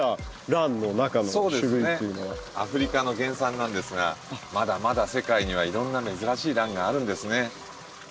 アフリカの原産なんですがまだまだ世界にはいろんな珍しいランがあるんですね。